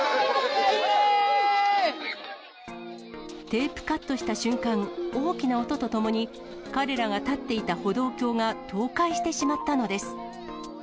テープカットした瞬間、大きな音とともに、彼らが立っていた歩道橋が倒壊してしまったのです。